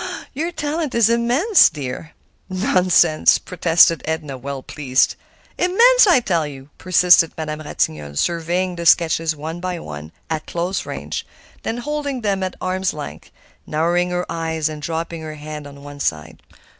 "Your talent is immense, dear!" "Nonsense!" protested Edna, well pleased. "Immense, I tell you," persisted Madame Ratignolle, surveying the sketches one by one, at close range, then holding them at arm's length, narrowing her eyes, and dropping her head on one side.